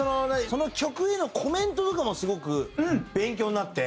その曲へのコメントとかもすごく勉強になって。